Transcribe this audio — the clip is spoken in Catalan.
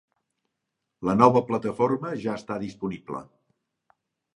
La nova plataforma ja està disponible.